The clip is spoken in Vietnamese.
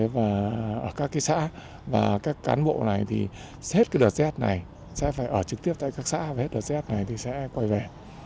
và các cái xã và các cán bộ này thì hết cái đợt rét này sẽ phải ở trực tiếp tại các xã và hết đợt rét này thì sẽ quay về